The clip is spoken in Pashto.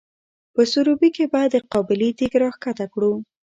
په سروبي کې به د قابلي دیګ را ښکته کړو؟